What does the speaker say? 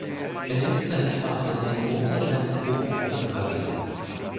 Er hilft seinem Vater, den Motor seines Bootes zu reparieren.